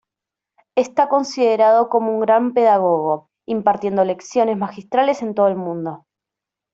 Está considerado como un gran pedagogo, impartiendo lecciones magistrales en todo el mundo.